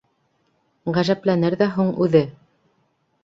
Ғәжәпләнер ҙә һуң үҙе!